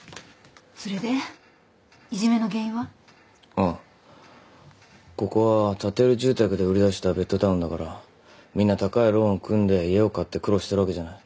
ああここは建売住宅で売り出したベッドタウンだからみんな高いローンを組んで家を買って苦労してるわけじゃない？